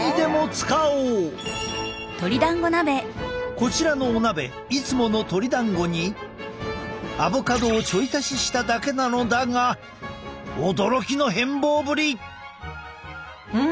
こちらのお鍋いつもの鶏だんごにアボカドをちょい足ししただけなのだが驚きの変貌ぶり！ん！